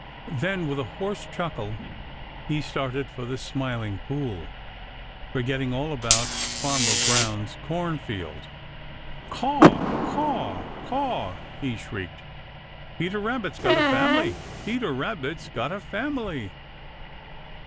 Then with a hoarse chuckle, he started for the Smiling Pool, forgetting all about Farmer Brown's cornfield. "Caw, caw, caw!" he shrieked, "Peter Rabbit's got a family! Peter Rabbit's got a family!"